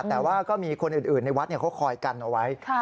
แต่ว่าก็มีคนอื่นในวัดเขาคอยกันเอาไว้